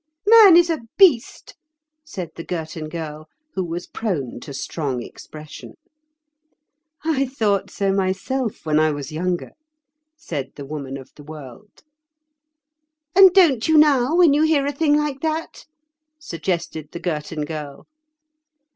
"Man is a beast!" said the Girton Girl, who was prone to strong expression. "I thought so myself when I was younger," said the Woman of the World. "And don't you now, when you hear a thing like that?" suggested the Girton Girl.